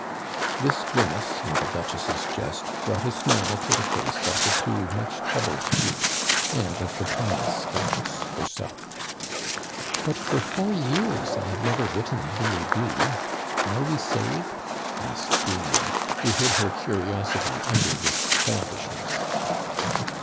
This grimace and the Duchess' jest brought a smile to the face of the two much troubled Dukes, and of the pious Duchess herself. "But for four years I have never written a billet doux. Are we saved?" asked Diane, who hid her curiosity under this childishness.